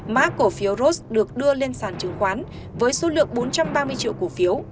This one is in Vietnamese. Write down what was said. mã cổ phiếu ross được đưa lên sàn chứng khoán với số lượng bốn trăm ba mươi triệu cổ phiếu